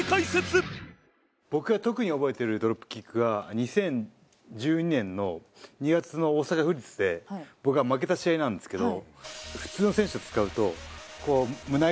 僕が特に覚えてるドロップキックが２０１２年の２月の大阪府立で僕が負けた試合なんですけど。